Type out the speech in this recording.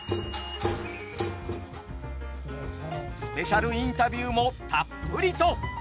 スペシャルインタビューもたっぷりと。